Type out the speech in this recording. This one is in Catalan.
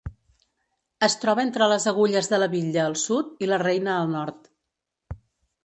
Es troba entre les agulles de La Bitlla al sud i La Reina al nord.